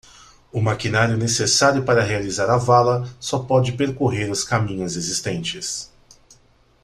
O maquinário necessário para realizar a vala só pode percorrer os caminhos existentes.